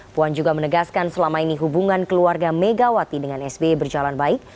puan juga menegaskan selama ini hubungan keluarga megawati dengan sbi berjalan baik